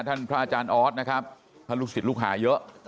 พระอาจารย์ออสนะครับท่านลูกศิษย์ลูกหาเยอะ